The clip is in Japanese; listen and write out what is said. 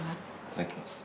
いただきます。